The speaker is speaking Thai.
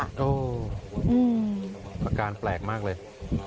อาการแปลกมากเลย